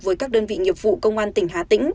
với các đơn vị nghiệp vụ công an tỉnh hà tĩnh